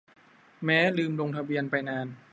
แม้ลืมลงทะเบียนไปนาน